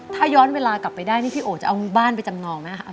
ถ้าย้อนเวลากลับไปได้นี่พี่โอ๋จะเอาบ้านไปจำนองไหมคะ